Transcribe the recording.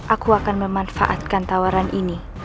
aku akan memanfaatkan tawaran ini